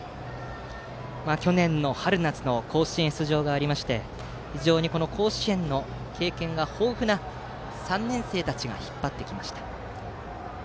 去年の春夏の甲子園出場があって非常に甲子園の経験が豊富な３年生たちが引っ張ってきました。